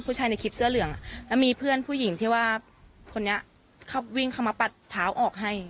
ในคลิปเสื้อเหลืองแล้วมีเพื่อนผู้หญิงที่ว่าคนนี้เขาวิ่งเข้ามาปัดเท้าออกให้